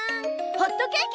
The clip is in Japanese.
ホットケーキ。